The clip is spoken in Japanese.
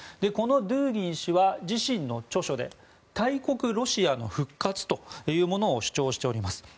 このドゥーギン氏は自身の著書で大国ロシアの復活というものを主張しております。